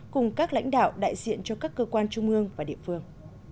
cùng các lãnh đạo đại diện cho các cơ quan trung ương và địa phương